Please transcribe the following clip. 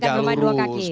tidak akan rumah dua kaki